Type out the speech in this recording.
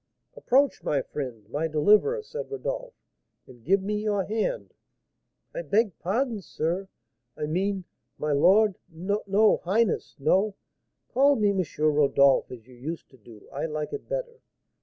"Approach, my friend, my deliverer!" said Rodolph, "and give me your hand." "I beg pardon, sir, I mean, my lord, no, highness, no " "Call me M. Rodolph, as you used to do; I like it better."